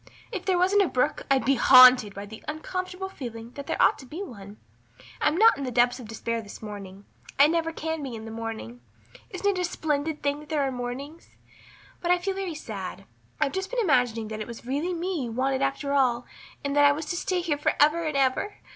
If there wasn't a brook I'd be haunted by the uncomfortable feeling that there ought to be one. I'm not in the depths of despair this morning. I never can be in the morning. Isn't it a splendid thing that there are mornings? But I feel very sad. I've just been imagining that it was really me you wanted after all and that I was to stay here for ever and ever.